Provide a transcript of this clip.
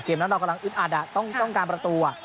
เกมนั้นเรากำลังอึดอัดอ่ะต้องการประตูอ่ะ